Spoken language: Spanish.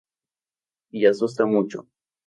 Y asusta mucho.